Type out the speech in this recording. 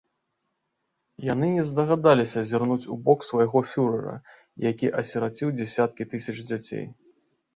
Яны не здагадаліся зірнуць у бок свайго фюрэра, які асіраціў дзесяткі тысяч дзяцей.